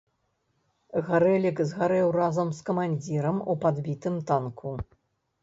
Гарэлік згарэў разам з камандзірам у падбітым танку.